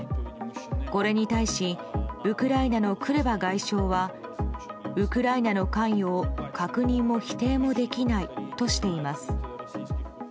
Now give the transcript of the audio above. これに対しウクライナのクレバ外相はウクライナの関与を確認も否定もできないとしています。